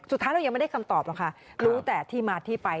สุดท้ายเรายังไม่ได้คำตอบหรอกค่ะรู้แต่ที่มาที่ไป